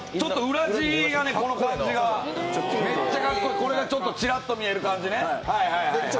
裏地のこの感じ、めっちゃかっこいいこれがチラッと見える感じね。